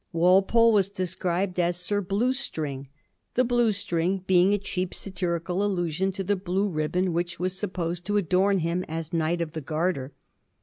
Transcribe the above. Walpole was described as ^ Sir Blue String,' the blue string being a cheap satirical allusion to the blue ribbon which was supposed to adorn him as Knight of the Garter.